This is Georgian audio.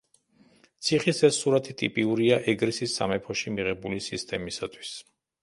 ციხის ეს სურათი ტიპიურია ეგრისის სამეფოში მიღებული სისტემისათვის.